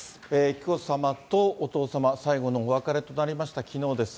紀子さまとお父様、最後のお別れとなりました、きのうです。